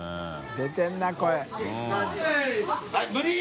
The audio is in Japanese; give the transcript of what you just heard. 出てるな声。